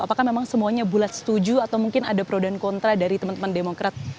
apakah memang semuanya bulat setuju atau mungkin ada pro dan kontra dari teman teman demokrat